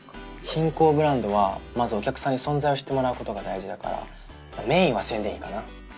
新興ブランドはまずお客さんに存在を知ってもらうことが大事だからメインは宣伝費かな。